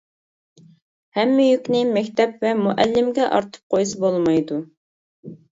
ھەممە يۈكنى مەكتەپ ۋە مۇئەللىمگە ئارتىپ قويسا بولمايدۇ.